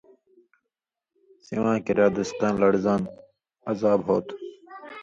سِواں کِریا دُسقیاں لڑزان (عذاب) ہو تُھو،